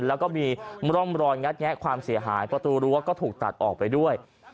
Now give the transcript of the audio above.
แล้วก็มีร่องรอยงัดแงะความเสียหายประตูรั้วก็ถูกตัดออกไปด้วย